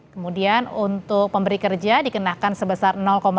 kemudian untuk pemberi kerja dikenakan sebesar